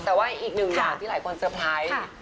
แต่ว่าอีกหนึ่งอย่างที่หลายคนเตอร์ไพรส์